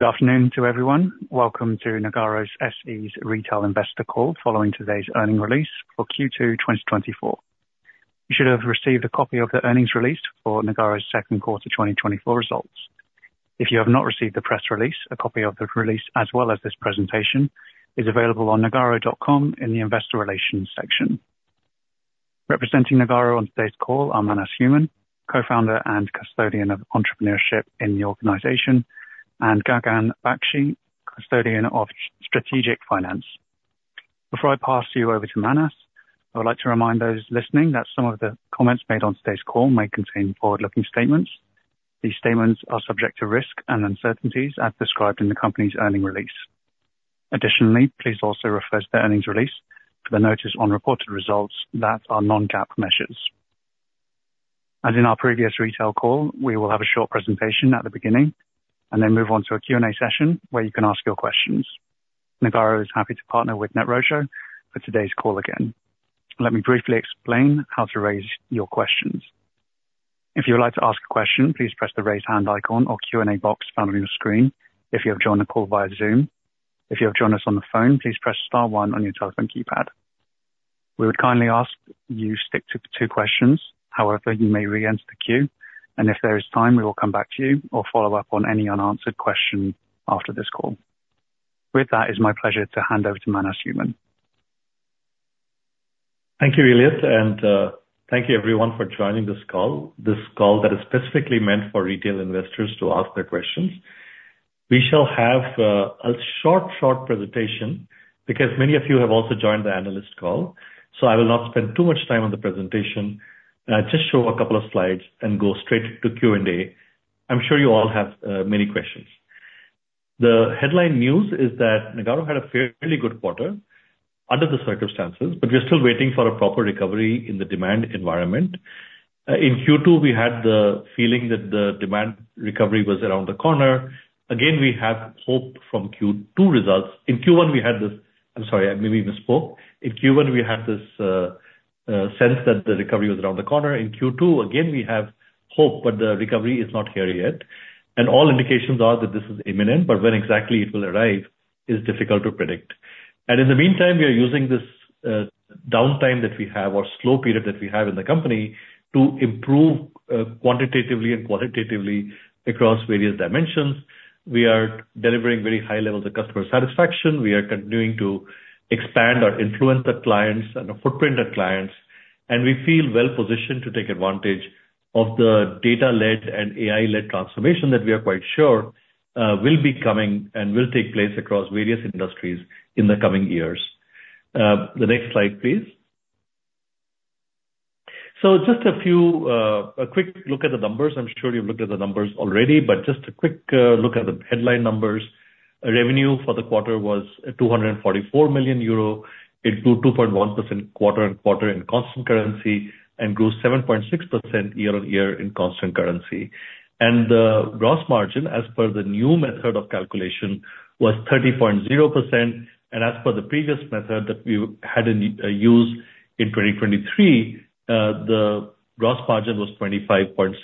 Good afternoon to everyone. Welcome to Nagarro SE's Retail Investor Call, following today's earnings release for Q2 2024. You should have received a copy of the earnings release for Nagarro's Q2 2024 results. If you have not received the press release, a copy of the release, as well as this presentation, is available on nagarro.com in the Investor Relations section. Representing Nagarro on today's call are Manas Human, Co-Founder and Custodian of Entrepreneurship in the Organization, and Gagan Bakshi, Custodian of Strategic Finance. Before I pass you over to Manas, I would like to remind those listening that some of the comments made on today's call may contain forward-looking statements. These statements are subject to risk and uncertainties as described in the company's earnings release. Additionally, please also refer to the earnings release for the notice on reported results that are non-GAAP measures. As in our previous retail call, we will have a short presentation at the beginning and then move on to a Q&A session, where you can ask your questions. Nagarro is happy to partner with NetRoadshow for today's call again. Let me briefly explain how to raise your questions. If you would like to ask a question, please press the Raise Hand icon or Q&A box found on your screen if you have joined the call via Zoom. If you have joined us on the phone, please press star one on your telephone keypad. We would kindly ask you stick to two questions. However, you may re-enter the queue, and if there is time, we will come back to you or follow up on any unanswered question after this call. With that, it's my pleasure to hand over to Manas Human. Thank you, Elliot, and thank you everyone for joining this call. This call that is specifically meant for retail investors to ask their questions. We shall have a short, short presentation because many of you have also joined the analyst call, so I will not spend too much time on the presentation. I'll just show a couple of slides and go straight to Q&A. I'm sure you all have many questions. The headline news is that Nagarro had a fairly good quarter under the circumstances, but we're still waiting for a proper recovery in the demand environment. In Q2, we had the feeling that the demand recovery was around the corner. Again, we have hope from Q2 results. In Q1, we had this, I'm sorry, I maybe misspoke. In Q1, we had this sense that the recovery was around the corner. In Q2, again, we have hope, but the recovery is not here yet, and all indications are that this is imminent, but when exactly it will arrive is difficult to predict. In the meantime, we are using this downtime that we have or slow period that we have in the company to improve quantitatively and qualitatively across various dimensions. We are delivering very high levels of customer satisfaction. We are continuing to expand our influencer clients and our footprint of clients, and we feel well positioned to take advantage of the data-led and AI-led transformation that we are quite sure will be coming and will take place across various industries in the coming years. The next slide, please. So just a few a quick look at the numbers. I'm sure you've looked at the numbers already, but just a quick look at the headline numbers. Revenue for the quarter was 244 million euro. It grew 2.1% quarter-over-quarter in constant currency and grew 7.6% year-over-year in constant currency. And the gross margin, as per the new method of calculation, was 30.0%, and as per the previous method that we had in use in 2023, the gross margin was 25.6%.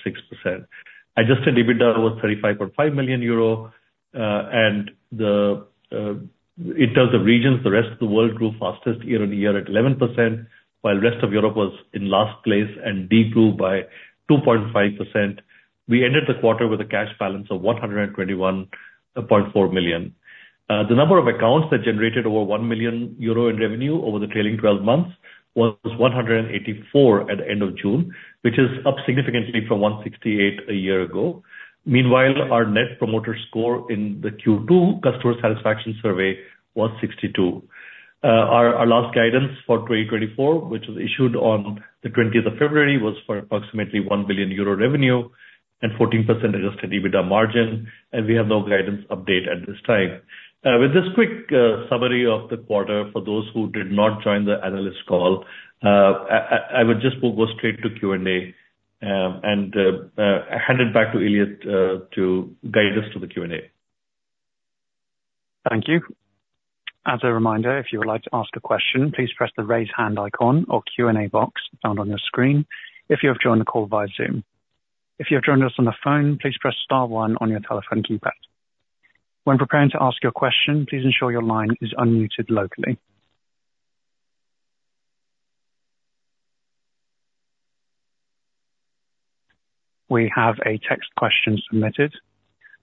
Adjusted EBITDA was 35.5 million euro, and in terms of regions, the rest of the world grew fastest year-over-year at 11%, while rest of Europe was in last place and did grow by 2.5%. We ended the quarter with a cash balance of 121.4 million. The number of accounts that generated over 1 million euro in revenue over the trailing 12 months was 184 at the end of June, which is up significantly from 168 a year ago. Meanwhile, our Net Promoter Score in the Q2 customer satisfaction survey was 62. Our last guidance for 2024, which was issued on the 20th of February, was for approximately 1 billion euro revenue and 14% Adjusted EBITDA margin, and we have no guidance update at this time. With this quick summary of the quarter for those who did not join the analyst call, I would just go straight to Q&A, and hand it back to Elliot to guide us to the Q&A. Thank you. As a reminder, if you would like to ask a question, please press the Raise Hand icon or Q&A box found on your screen if you have joined the call via Zoom. If you have joined us on the phone, please press star one on your telephone keypad. When preparing to ask your question, please ensure your line is unmuted locally. We have a text question submitted.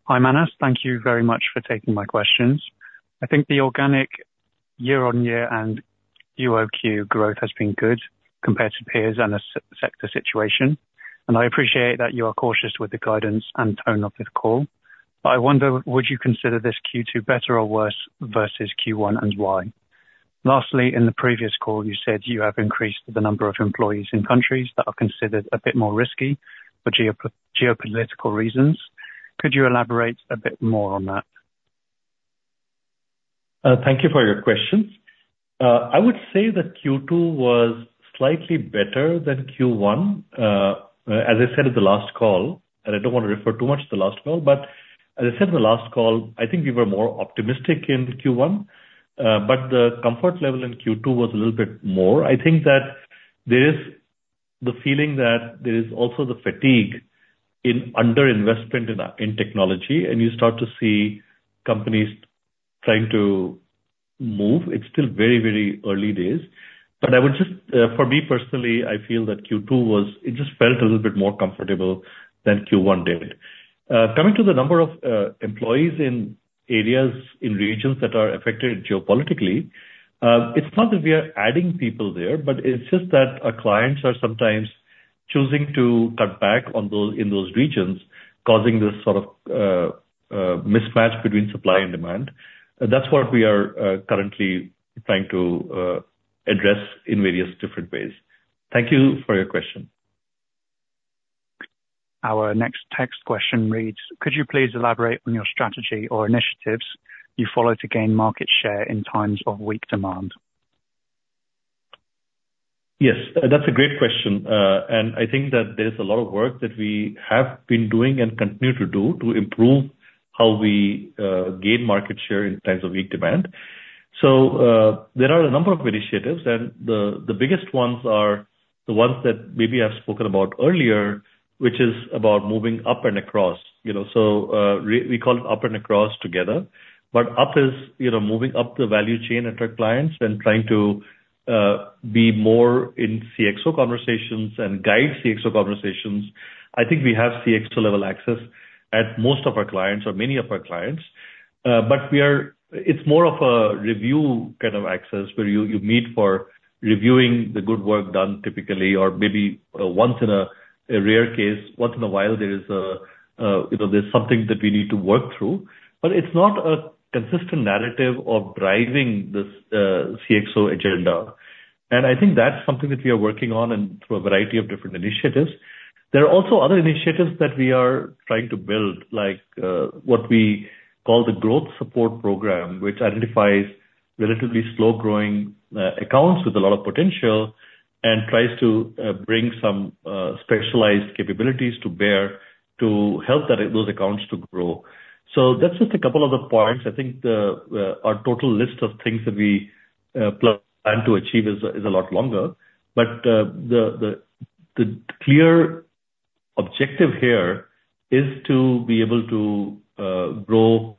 Hi, Manas. Thank you very much for taking my questions. I think the organic year-on-year and QOQ growth has been good compared to peers and the sector situation, and I appreciate that you are cautious with the guidance and tone of this call. But I wonder, would you consider this Q2 better or worse versus Q1, and why? Lastly, in the previous call, you said you have increased the number of employees in countries that are considered a bit more risky for geopolitical reasons. Could you elaborate a bit more on that? Thank you for your questions. I would say that Q2 was slightly better than Q1. As I said at the last call, and I don't want to refer too much to the last call, but as I said in the last call, I think we were more optimistic in Q1. The comfort level in Q2 was a little bit more. I think that there is the feeling that there is also the fatigue in underinvestment in technology, and you start to see companies trying to move. It's still very, very early days, but I would just, for me, personally, I feel that Q2 was, it just felt a little bit more comfortable than Q1, David. Coming to the number of employees in areas, in regions that are affected geopolitically, it's not that we are adding people there, but it's just that our clients are sometimes choosing to cut back on those, in those regions, causing this sort of mismatch between supply and demand. That's what we are currently trying to address in various different ways. Thank you for your question. Our next text question reads: Could you please elaborate on your strategy or initiatives you follow to gain market share in times of weak demand? Yes. That's a great question. And I think that there's a lot of work that we have been doing and continue to do to improve how we gain market share in times of weak demand. So, there are a number of initiatives, and the biggest ones are the ones that maybe I've spoken about earlier, which is about moving up and across. You know, so we call it up and across together, but up is, you know, moving up the value chain and treat clients and trying to be more in CXO conversations and guide CXO conversations. I think we have CXO-level access at most of our clients or many of our clients, but we are, It's more of a review kind of access, where you meet for reviewing the good work done typically, or maybe once in a rare case, once in a while, there is, you know, there's something that we need to work through. But it's not a consistent narrative of driving this CXO agenda, and I think that's something that we are working on and through a variety of different initiatives. There are also other initiatives that we are trying to build, like what we call the growth support program, which identifies relatively slow-growing accounts with a lot of potential, and tries to bring some specialized capabilities to bear to help those accounts to grow. So that's just a couple of the points. I think our total list of things that we plan to achieve is a lot longer, but the clear objective here is to be able to grow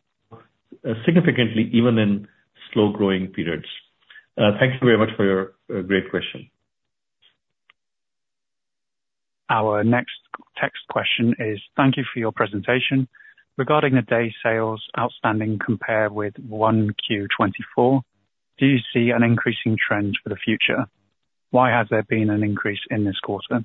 significantly, even in slow-growing periods. Thank you very much for your great question. Our next text question is: Thank you for your presentation. Regarding the Day Sales Outstanding compare with Q1 2024, do you see an increasing trend for the future? Why has there been an increase in this quarter?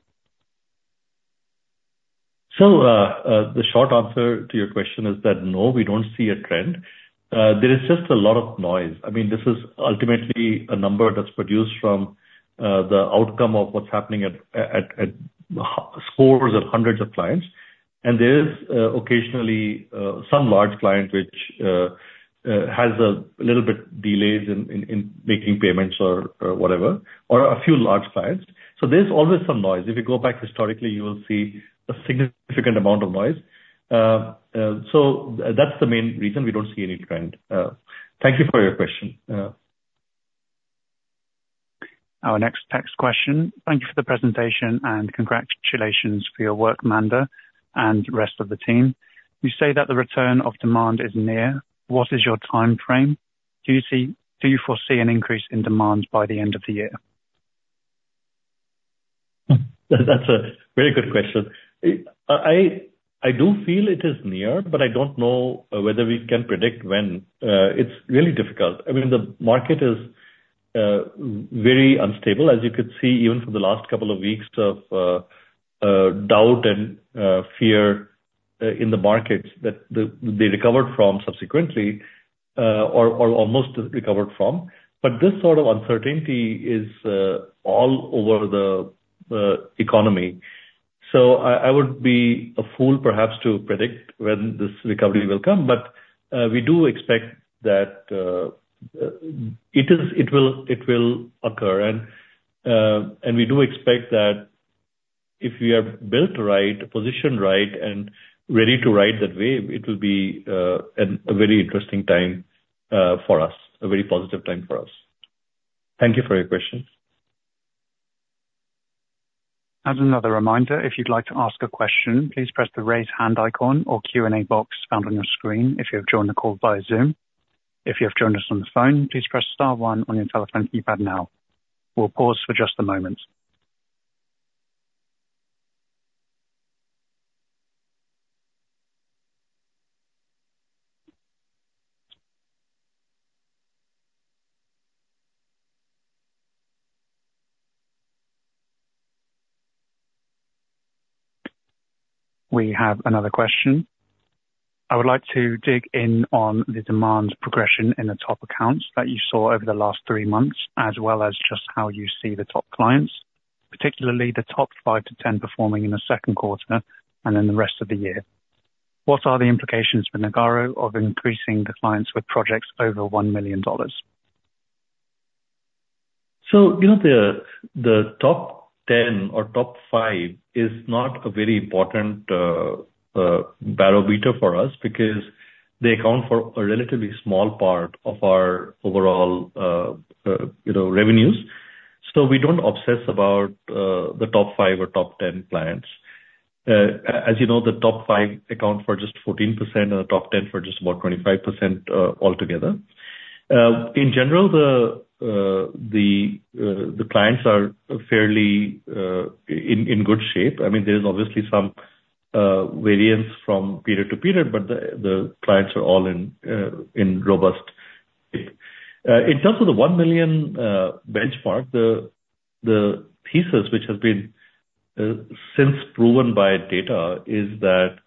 So, the short answer to your question is that, no, we don't see a trend. There is just a lot of noise. I mean, this is ultimately a number that's produced from the outcome of what's happening at scores of hundreds of clients. And there is occasionally some large client which has a little bit delays in making payments or whatever, or a few large clients. So there's always some noise. If you go back historically, you will see a significant amount of noise. So that's the main reason we don't see any trend. Thank you for your question. Our next text question: Thank you for the presentation, and congratulations for your work, Manas and rest of the team. You say that the return of demand is near. What is your timeframe? Do you foresee an increase in demand by the end of the year? That, that's a very good question. I do feel it is near, but I don't know whether we can predict when. It's really difficult. I mean, the market is very unstable, as you could see, even from the last couple of weeks of doubt and fear in the markets, that they recovered from subsequently, or almost recovered from. But this sort of uncertainty is all over the economy. So I would be a fool, perhaps, to predict when this recovery will come, but we do expect that it is It will occur. And we do expect that if we are built right, positioned right, and ready to ride that wave, it will be a very interesting time for us, a very positive time for us. Thank you for your question. As another reminder, if you'd like to ask a question, please press the Raise Hand icon or Q&A box found on your screen, if you have joined the call via Zoom. If you have joined us on the phone, please press star one on your telephone keypad now. We'll pause for just a moment. We have another question. I would like to dig in on the demand progression in the top accounts that you saw over the last three months, as well as just how you see the top clients, particularly the top five to 10 performing in the Q2 and in the rest of the year. What are the implications for Nagarro of increasing the clients with projects over $1 million? So, you know, the top ten or top five is not a very important barometer for us, because they account for a relatively small part of our overall, you know, revenues. So we don't obsess about the top five or top ten clients. As you know, the top five account for just 14%, and the top ten for just about 25%, altogether. In general, the clients are fairly in good shape. I mean, there is obviously some variance from period to period, but the clients are all in robust shape. In terms of the 1 million benchmark, the thesis, which has been since proven by data, is that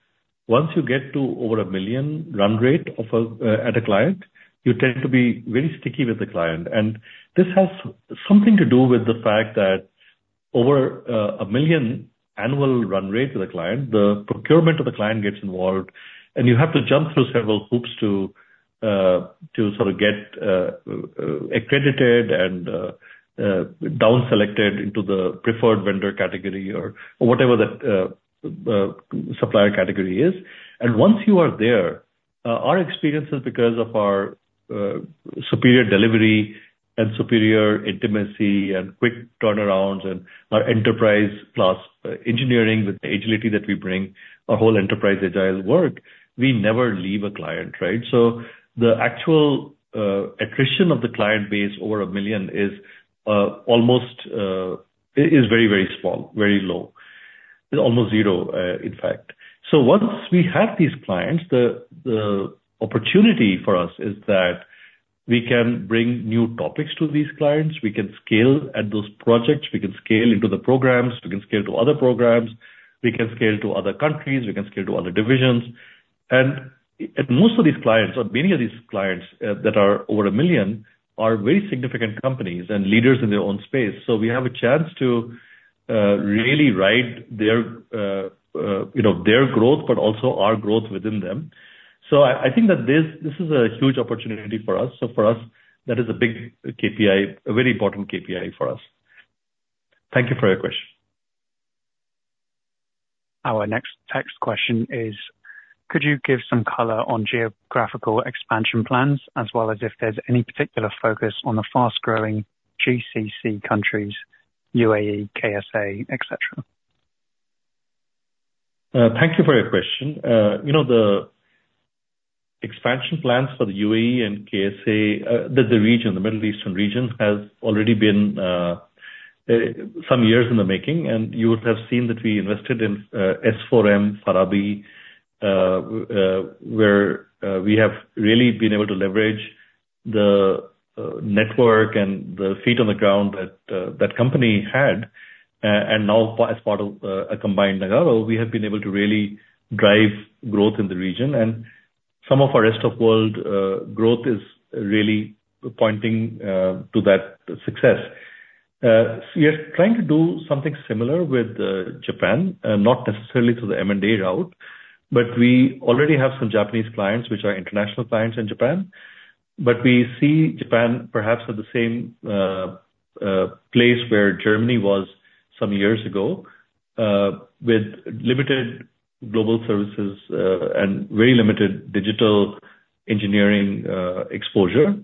once you get to over a 1 million run rate at a client, you tend to be very sticky with the client. And this has something to do with the fact that over a 1 million annual run rate with a client, the procurement of the client gets involved, and you have to jump through several hoops to sort of get accredited and down-selected into the preferred vendor category or whatever the supplier category is. And once you are there, our experience is because of our superior delivery and superior intimacy and quick turnarounds and our enterprise-plus engineering with the agility that we bring, our whole enterprise agile work, we never leave a client, right? So the actual attrition of the client base over 1 million is almost, is very, very small, very low. Almost zero, in fact. So once we have these clients, the opportunity for us is that we can bring new topics to these clients. We can scale at those projects. We can scale into the programs. We can scale to other programs. We can scale to other countries. We can scale to other divisions. And most of these clients, or many of these clients, that are over 1 million, are very significant companies and leaders in their own space. So we have a chance to really ride their, you know, their growth, but also our growth within them. So I think that this is a huge opportunity for us. For us, that is a big KPI, a very important KPI for us. Thank you for your question. Our next text question is: Could you give some color on geographical expansion plans, as well as if there's any particular focus on the fast-growing GCC countries, UAE, KSA, et cetera? Thank you for your question. You know, the expansion plans for the UAE and KSA, the region, the Middle Eastern region, has already been some years in the making, and you would have seen that we invested in S4M Farabi, where we have really been able to leverage the network and the feet on the ground that that company had. And now as part of a combined Nagarro, we have been able to really drive growth in the region, and some of our rest of world growth is really pointing to that success. So we are trying to do something similar with Japan, not necessarily through the M&A route, but we already have some Japanese clients, which are international clients in Japan. But we see Japan perhaps at the same place where Germany was some years ago, with limited global services, and very limited digital engineering exposure.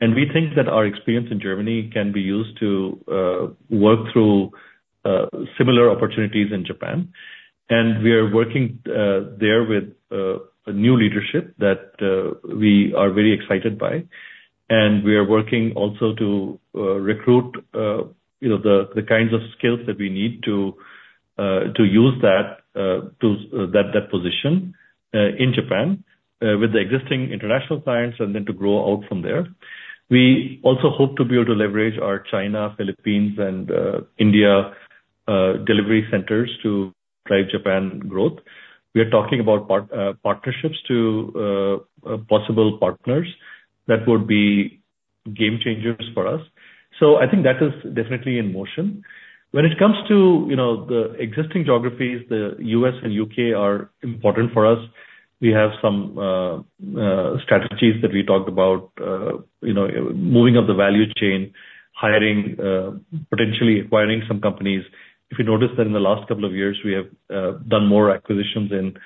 We think that our experience in Germany can be used to work through similar opportunities in Japan. We are working there with a new leadership that we are very excited by. We are working also to recruit, you know, the kinds of skills that we need to use that position in Japan with the existing international clients and then to grow out from there. We also hope to be able to leverage our China, Philippines, and India delivery centers to drive Japan growth. We are talking about partnerships to possible partners that would be game changers for us. So I think that is definitely in motion. When it comes to, you know, the existing geographies, the US and UK are important for us. We have some strategies that we talked about, you know, moving up the value chain, hiring, potentially acquiring some companies. If you notice that in the last couple of years, we have done more acquisitions in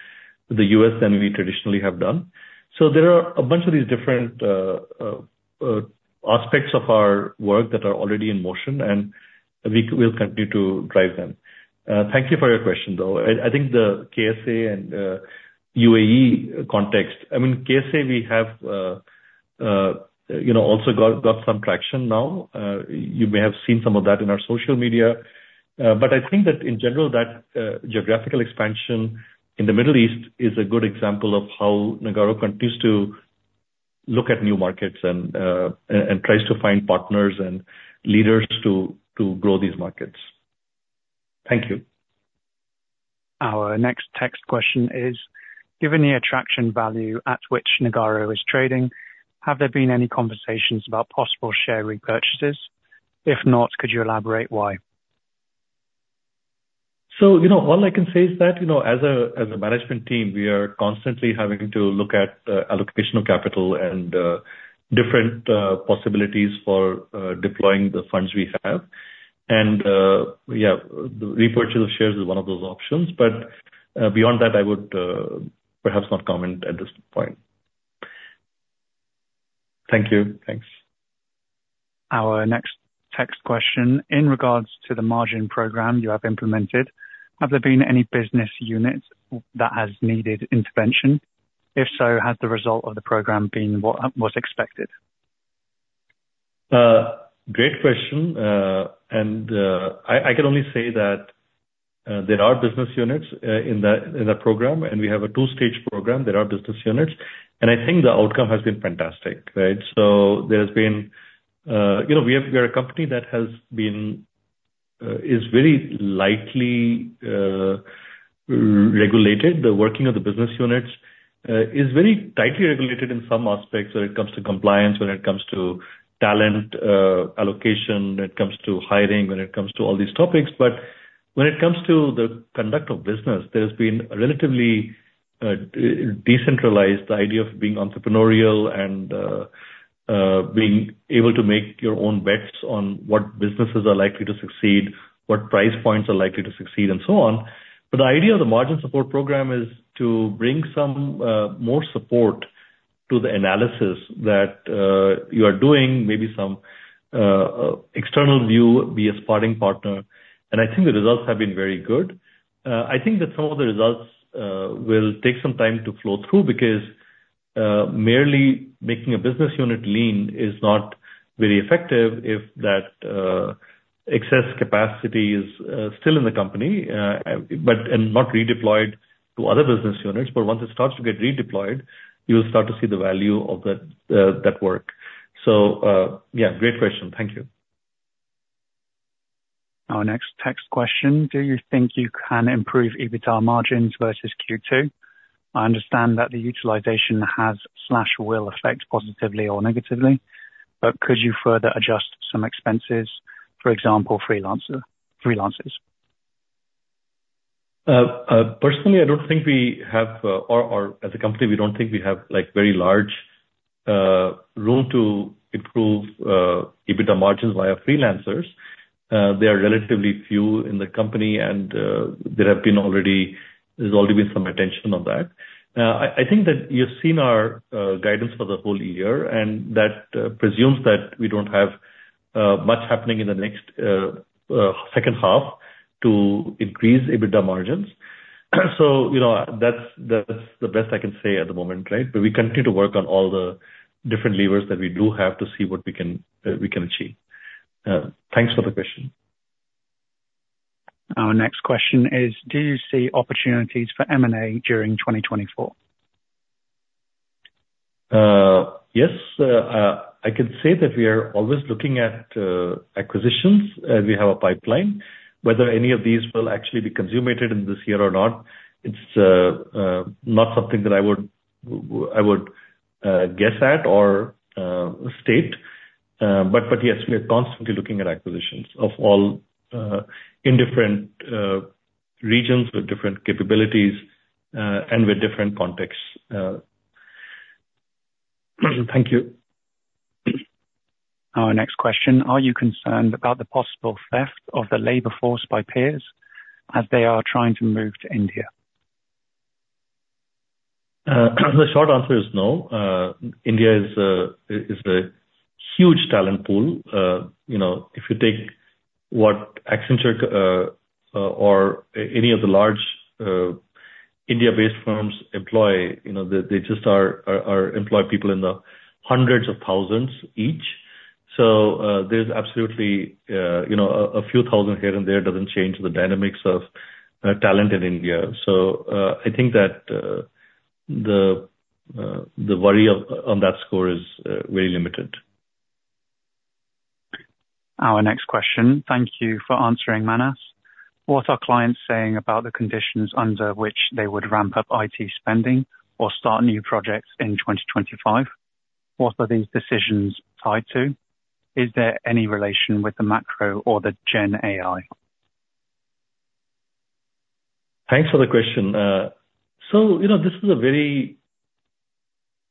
the US than we traditionally have done. So there are a bunch of these different aspects of our work that are already in motion, and we'll continue to drive them. Thank you for your question, though. I think the KSA and UAE context. I mean, KSA, we have you know also got some traction now. You may have seen some of that in our social media. But I think that in general, that geographical expansion in the Middle East is a good example of how Nagarro continues to look at new markets and tries to find partners and leaders to grow these markets. Thank you. Our next text question is: Given the attraction value at which Nagarro is trading, have there been any conversations about possible share repurchases? If not, could you elaborate why? So, you know, all I can say is that, you know, as a management team, we are constantly having to look at allocation of capital and different possibilities for deploying the funds we have. And, yeah, repurchase of shares is one of those options, but beyond that, I would perhaps not comment at this point. Thank you. Thanks. Our next text question. In regards to the margin program you have implemented, have there been any business units that has needed intervention? If so, has the result of the program been what was expected? Great question. And I can only say that there are business units in the program, and we have a two-stage program. There are business units, and I think the outcome has been fantastic, right? So there's been. You know, we are a company that has been is very lightly regulated. The working of the business units is very tightly regulated in some aspects when it comes to compliance, when it comes to talent allocation, when it comes to hiring, when it comes to all these topics. But when it comes to the conduct of business, there's been a relatively decentralized idea of being entrepreneurial and being able to make your own bets on what businesses are likely to succeed, what price points are likely to succeed, and so on. But the idea of the Margin Support Program is to bring some more support to the analysis that you are doing, maybe some external view, be a sparring partner, and I think the results have been very good. I think that some of the results will take some time to flow through because merely making a business unit lean is not very effective if that excess capacity is still in the company, but and not redeployed to other business units. But once it starts to get redeployed, you'll start to see the value of that that work. So, yeah, great question. Thank you. Our next text question: Do you think you can improve EBITDA margins versus Q2? I understand that the utilization has/will affect positively or negatively, but could you further adjust some expenses, for example, freelancer, freelancers? Personally, I don't think we have, or as a company, we don't think we have, like, very large room to improve EBITDA margins via freelancers. There are relatively few in the company and there have been already. There's already been some attention on that. I think that you've seen our guidance for the whole year, and that presumes that we don't have much happening in the next second half to increase EBITDA margins. So, you know, that's the best I can say at the moment, right? But we continue to work on all the different levers that we do have to see what we can achieve. Thanks for the question. Our next question is: Do you see opportunities for M&A during 2024? Yes. I can say that we are always looking at acquisitions. We have a pipeline. Whether any of these will actually be consummated in this year or not, it's not something that I would guess at or state. But yes, we are constantly looking at acquisitions of all in different regions with different capabilities and with different contexts. Thank you. Our next question: Are you concerned about the possible theft of the labor force by peers as they are trying to move to India? The short answer is no. India is a huge talent pool. You know, if you take what Accenture or any of the large India-based firms employ, you know, they just employ people in the hundreds of thousands each. So, there's absolutely you know, a few thousand here and there doesn't change the dynamics of talent in India. So, I think that the worry on that score is very limited. Our next question. Thank you for answering, Manas. What are clients saying about the conditions under which they would ramp up IT spending or start new projects in 2025? What are these decisions tied to? Is there any relation with the macro or the Gen AI? Thanks for the question. So, you know, this is a very,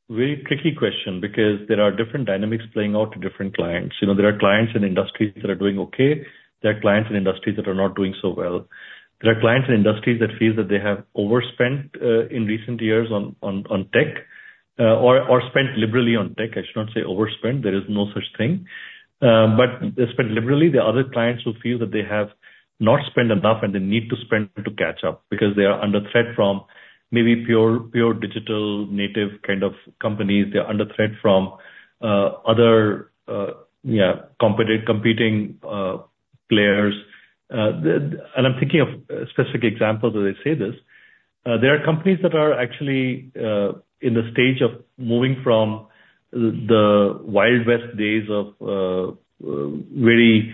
very tricky question because there are different dynamics playing out to different clients. You know, there are clients and industries that are doing okay. There are clients and industries that are not doing so well. There are clients and industries that feel that they have overspent in recent years on tech, or spent liberally on tech. I should not say overspent. There is no such thing, but they spent liberally. There are other clients who feel that they have not spent enough, and they need to spend to catch up because they are under threat from maybe pure digital native kind of companies. They are under threat from other competent, competing players. And I'm thinking of specific examples as I say this. There are companies that are actually in the stage of moving from the Wild West days of very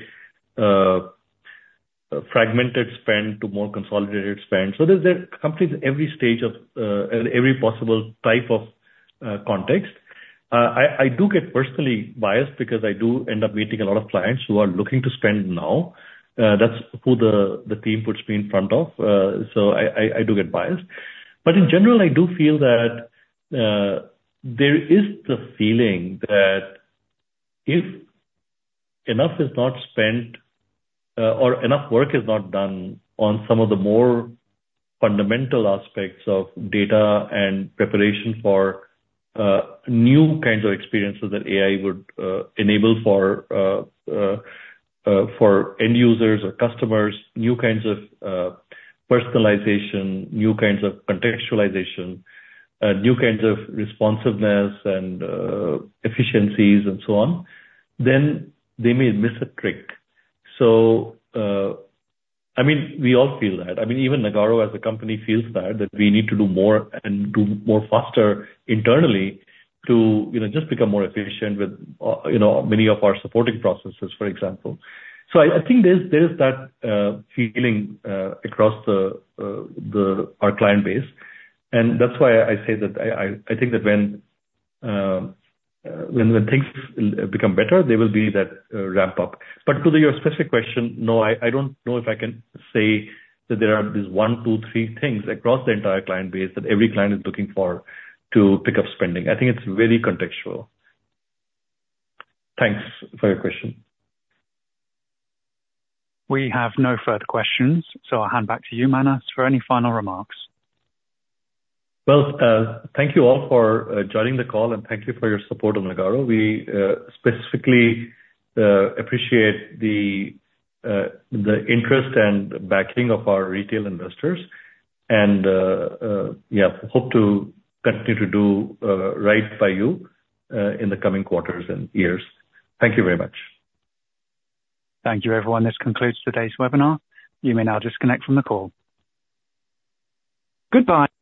fragmented spend to more consolidated spend. So there are companies at every stage of every possible type of context. I do get personally biased because I do end up meeting a lot of clients who are looking to spend now. That's who the team puts me in front of, so I do get biased. But in general, I do feel that, there is the feeling that if enough is not spent, or enough work is not done on some of the more fundamental aspects of data and preparation for, new kinds of experiences that AI would, enable for, for end users or customers, new kinds of, personalization, new kinds of contextualization, new kinds of responsiveness and, efficiencies and so on, then they may miss a trick. So, I mean, we all feel that. I mean, even Nagarro as a company feels that, that we need to do more and do more faster internally to, you know, just become more efficient with, you know, many of our supporting processes, for example. So I think there is that feeling across our client base, and that's why I say that I think that when things become better, there will be that ramp up. But to your specific question, no, I don't know if I can say that there are these one, two, three things across the entire client base that every client is looking for to pick up spending. I think it's very contextual. Thanks for your question. We have no further questions, so I'll hand back to you, Manas, for any final remarks. Well, thank you all for joining the call, and thank you for your support of Nagarro. We specifically appreciate the interest and backing of our retail investors, and yeah, hope to continue to do right by you in the coming quarters and years. Thank you very much. Thank you, everyone. This concludes today's webinar. You may now disconnect from the call. Goodbye.